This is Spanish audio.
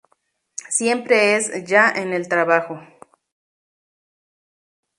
Siempre es 'ya' en el trabajo.